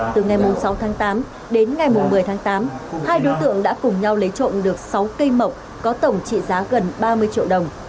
từ ngày sáu tháng tám đến ngày một mươi tháng tám hai đối tượng đã cùng nhau lấy trộm được sáu cây mộc có tổng trị giá gần ba mươi triệu đồng